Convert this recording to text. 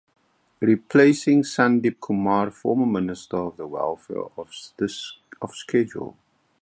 Replacing Sandeep Kumar former minister for the welfare of Schedule.